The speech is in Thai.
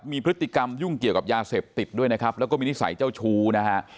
มีพฤติกรรมยุ่งเกี่ยวกับยาเสพติดด้วยนะครับแล้วก็มีนิสัยเจ้าชู้นะฮะ